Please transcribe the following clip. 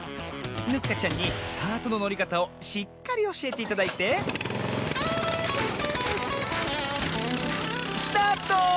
ヌッカちゃんにカートののりかたをしっかりおしえていただいてスタート！